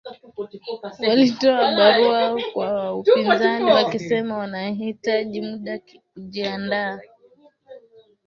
Walitoa barua kwa upinzani wakisema wanahitaji muda kujiandaa